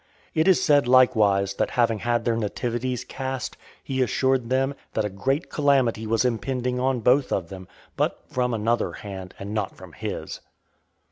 It is said likewise, that having had their nativities cast, he assured them, "that a great calamity was impending on both of them, but from another hand, and not from his."